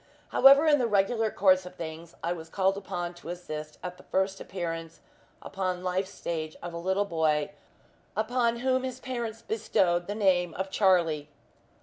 However, in the regular course of things, I was called upon to assist at the first appearance upon life's stage of a little boy, upon whom his parents bestowed the name of Charlie.